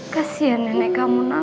kasian nenek kamu nak